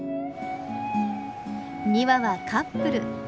２羽はカップル。